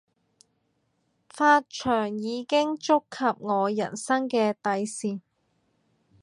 髮長已經觸及我人生嘅底線